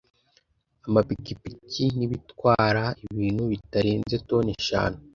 amapikipiki n’ibitwara ibintu bitarenze toni eshanu